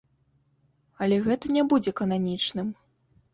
Але гэта не будзе кананічным.